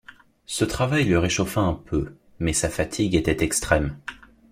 Ce travail le réchauffa un peu, mais sa fatigue était extrême.